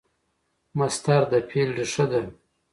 مصدر د فعل ریښه ده.